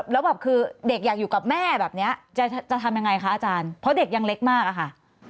แล้วแบบคือเด็กอยากอยู่กับแม่แบบนี้จะทำยังไงคะอาจารย์เพราะเด็กยังเล็กมากอะค่ะ